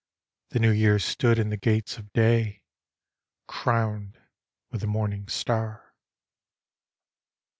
The New Year stood in the gates of day, Crowned with the morning star.